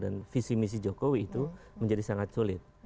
dan visi visi jokowi itu menjadi sangat sulit